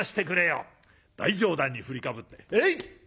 大上段に振りかぶって「えいっ！」。